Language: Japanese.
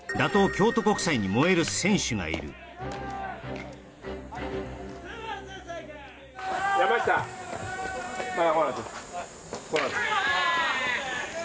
京都国際に燃える選手がいるまあまあ